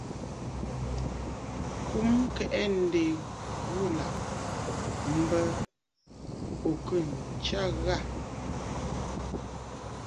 Kùm kɛʼɛ̂ ǹdə̀ ghulà m̀bə ò khə̂ ǹtsya ghâ?